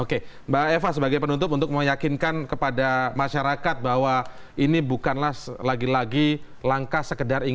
oke mbak eva sebagai penutup untuk meyakinkan kepada masyarakat bahwa ini bukanlah lagi lagi langkah sekedar ingin